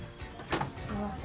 すみません。